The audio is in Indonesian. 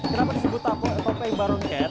kenapa disebut popeng barong cat